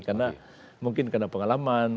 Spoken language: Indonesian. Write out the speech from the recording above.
karena mungkin karena pengalaman